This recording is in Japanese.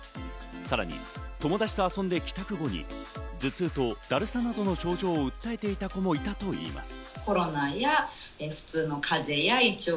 さらに友達と遊んで帰宅後に頭痛とだるさなどの症状を訴えていた子もいたといいます。